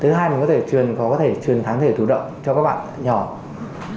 thứ hai mình có thể truyền tháng thể thủ động cho các bạn nhỏ